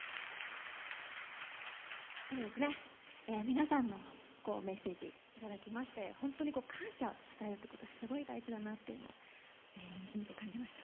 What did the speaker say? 皆さんのメッセージいただきまして本当に感謝を伝えるってことすごい大事だなっていうのを身にしみて感じました。